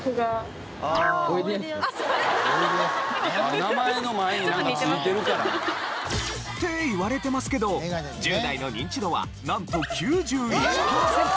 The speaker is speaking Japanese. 名前の前になんか付いてるから。って言われてますけど１０代のニンチドはなんと９１パーセント。